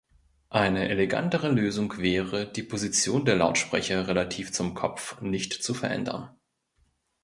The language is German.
Eine elegantere Lösung wäre, die Position der Lautsprecher relativ zum Kopf nicht zu verändern.